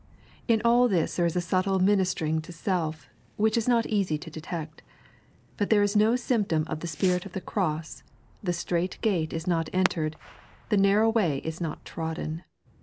In all this there is a subtle ministering to self, which is not easy to detect ; but there is no symptom of the spirit of the Cross, the Strait Gate is not entered, the Narrow Way is not trodden.